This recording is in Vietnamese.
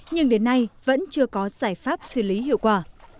nhưng đến nay vẫn chưa có giải pháp xử lý hiệu quả